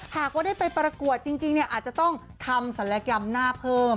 หากว่าได้ไปประกวดจริงอาจจะต้องทำศัลยกรรมหน้าเพิ่ม